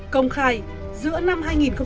công khai giữa năm hai nghìn một mươi bảy